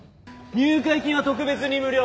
入会金は特別に無料。